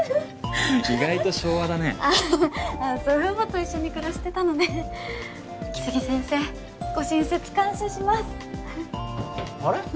意外と昭和だねああ祖父母と一緒に暮らしてたので来生先生ご親切感謝しますあれ？